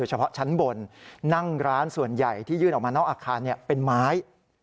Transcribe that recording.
เฉพาะชั้นบนนั่งร้านส่วนใหญ่ที่ยื่นออกมานอกอาคารเป็นไม้